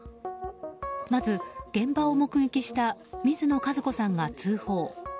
まず、現場を目撃した水野和子さんが通報。